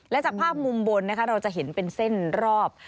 และจากภาพมุมบนนะคะเราจะเห็นเป็นเส้นรอบ